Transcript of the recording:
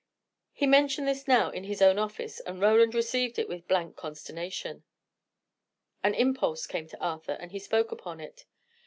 He mentioned this now in his own office, and Roland received it with blank consternation. An impulse came to Arthur, and he spoke upon it.